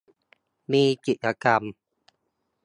มีกิจกรรม